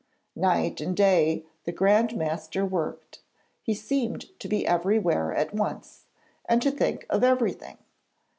Night and day the Grand Master worked; he seemed to be everywhere at once, and to think of everything.